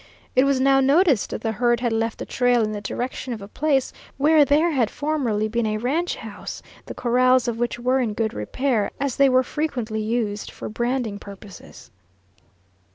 It was now noticed that the herd had left the trail in the direction of a place where there had formerly been a ranch house, the corrals of which were in good repair, as they were frequently used for branding purposes.